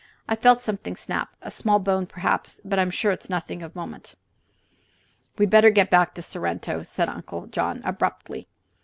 I felt something snap; a small bone, perhaps. But I am sure it is nothing of moment." "We'd better get back to Sorrento," said Uncle John, abruptly.